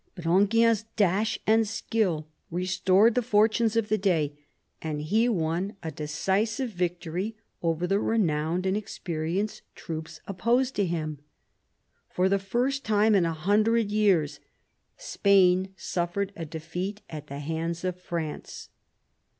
But Enghien's dash and skill restored the fortunes of the day, and he won a decisive victory over the renowned and experienced troops opposed to him. For the first time in a hundred years, Spain suffered a defeat at the hands of France.